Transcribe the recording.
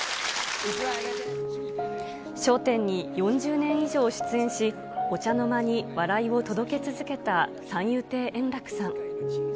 笑点に４０年以上出演し、お茶の間に笑いを届け続けた三遊亭円楽さん。